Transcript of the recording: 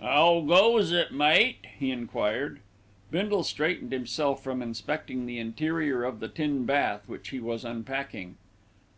"'Ow goes it, mate?" he enquired. Bindle straightened himself from inspecting the interior of the tin bath which he was unpacking.